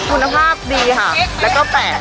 คุณภาพดีค่ะแล้วก็แปลก